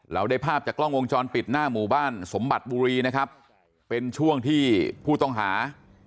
เราได้ภาพจากกล้องวงจรปิดหน้าหมู่บ้านสมบัติบุรีนะครับเป็นช่วงที่ผู้ต้องหา